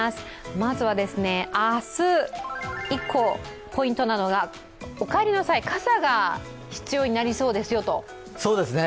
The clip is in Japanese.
まずは明日以降、ポイントなのがお帰りの際、傘が必要になりそうですよと。